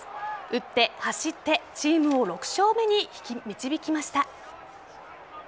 打って走ってチームを６勝目に導きました。